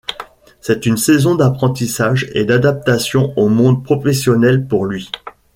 C'est une saison d'apprentissage et d'adaptation au monde professionnel pour lui.